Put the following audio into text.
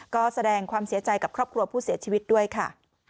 ก็แสดงความเสียใจกับครอบครัวผู้เสียชีวิตด้วยค่ะ